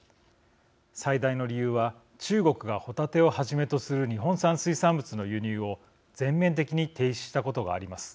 最大の理由は中国がホタテをはじめとする日本産水産物の輸入を全面的に停止したことがあります。